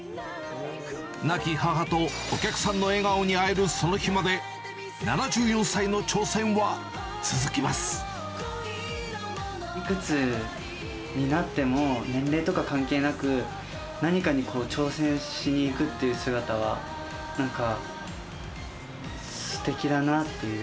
亡き母とお客さんの笑顔に会えるその日まで、７４歳の挑戦は続きいくつになっても、年齢とか関係なく、何かに挑戦しにいくっていう姿は、なんか、すてきだなっていう。